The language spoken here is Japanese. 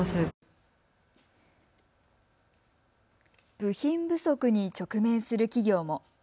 部品不足に直面する企業も。